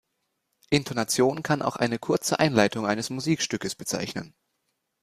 Intonation kann auch eine kurze Einleitung eines Musikstückes bezeichnen.